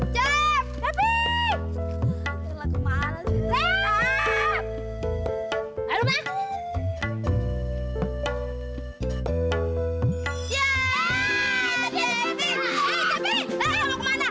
sampai jumpa di video selanjutnya